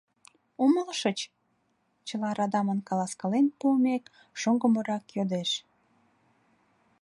— Умылышыч? — чыла радамын каласкален пуымек, шоҥго моряк йодеш.